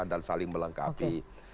dan saling melengkapi